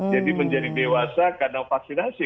jadi menjadi dewasa karena vaksinasi